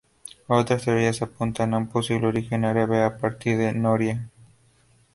Otras teorías apuntan a un posible origen árabe, a partir de "noria".